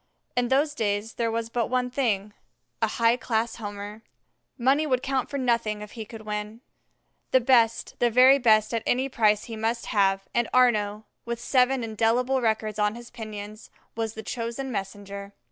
In those days there was but one thing a high class Homer. Money would count for nothing if he could win. The best, the very best at any price he must have, and Arnaux, with seven indelible records on his pinions, was the chosen messenger.